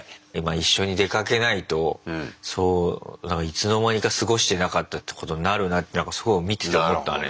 一緒に出かけないといつの間にか過ごしてなかったってことになるなってすごい見てて思ったね。